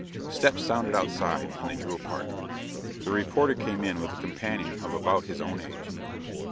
Steps sounded outside and they drew apart. The reporter came in with a companion of about his own age.